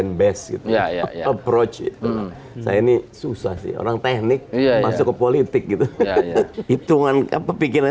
nbesit ya ya approach saya ini susah sih orang teknik masuk ke politik gitu hitungan kepikiran